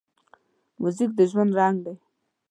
موزیک د ژوند رنګ دی.